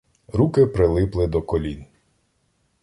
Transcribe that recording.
Руки прилипли до колін.